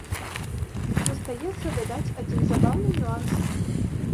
Застаецца дадаць адзін забаўны нюанс.